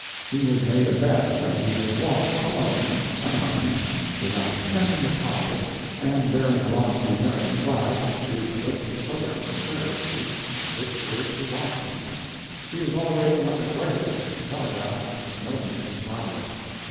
He has made a bet that he will walk, alone, unarmed, without a cent in his pocket, and bearing aloft the American flag, through the late Southern Confederacy, from Vicksburg to Washington. He is already on his way, and the telegraph is noting his progress.